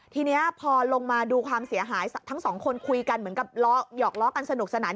ทีนี้พอลงมาดูความเสียหายทั้งสองคนคุยกันเหมือนกับหยอกล้อกันสนุกสนาน